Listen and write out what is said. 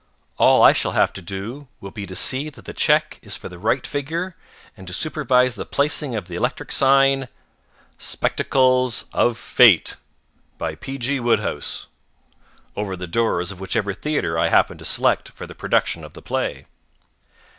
All I shall have to do will be to see that the check is for the right figure and to supervise the placing of the electric sign SPECTACLES OF FATE BY P. G. WODEHOUSE over the doors of whichever theatre I happen to select for the production of the play.